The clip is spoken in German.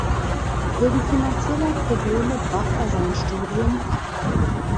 Wegen finanzieller Probleme brach er sein Studium ab.